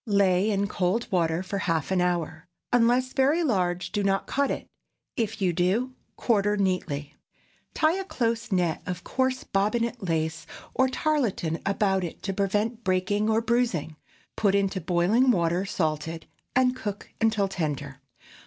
Lay in cold water for half an hour. Unless very large, do not cut it; if you do, quarter neatly. Tie a close net of coarse bobbinet lace or tarlatan about it to prevent breaking or bruising; put into boiling water salted, and cook until tender.